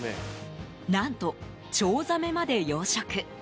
何とチョウザメまで養殖。